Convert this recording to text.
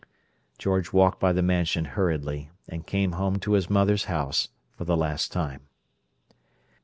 George walked by the Mansion hurriedly, and came home to his mother's house for the last time.